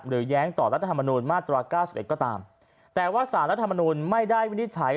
หรือย้างต่อรัฐธรรมนูลมาตรา๙๑ก็ตามแต่ว่าสารรัฐธรรมนูลไม่ได้วินิจฉัย